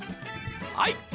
はい。